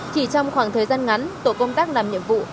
chỉ trong khoảng thời gian ngắn tổ công tác làm nhiệm vụ